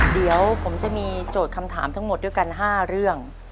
เดี๋ยวผมจะมีโจทย์คำถามทั้งหมดด้วยกัน๕เรื่อง